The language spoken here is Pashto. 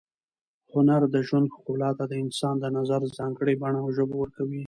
هنر د ژوند ښکلا ته د انسان د نظر ځانګړې بڼه او ژبه ورکوي.